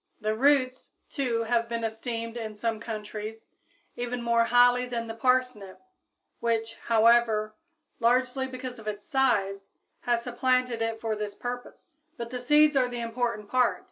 The roots, too, have been esteemed in some countries, even more highly than the parsnip, which, however, largely because of its size, has supplanted it for this purpose. But the seeds are the important part.